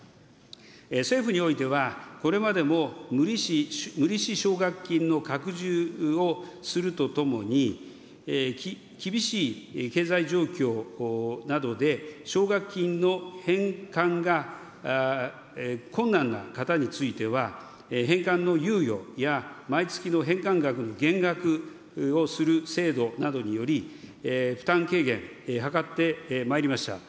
政府においては、これまでも無利子奨学金の拡充をするとともに、厳しい経済状況などで、奨学金の返還が困難な方については、返還の猶予や、毎月の返還額の減額をする制度などにより、負担軽減、図ってまいりました。